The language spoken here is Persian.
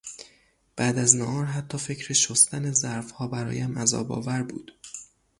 بعد از ناهار حتی فکر شستن ظرفها برایم عذابآور بود